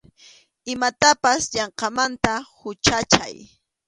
Imatapas yanqamanta huchachay.